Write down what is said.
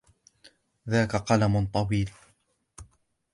ذاك قلم طويل.